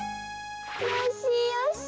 よしよし。